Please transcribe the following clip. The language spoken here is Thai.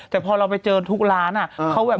แต่พอเราไปเจอทุกร้านเขาแบบ